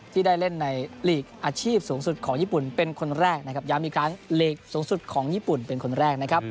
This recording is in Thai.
ที่ได้เล่นในหลีกอาชีพสูงสุดของญี่ปุ่นเป็นคนแรกนะครับย้ำอีกครั้งลีกสูงสุดของญี่ปุ่นเป็นคนแรกนะครับ